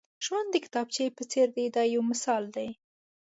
ژوند د کتابچې په څېر دی دا یو مثال دی.